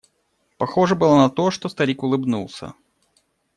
Похоже было на то, что старик улыбнулся.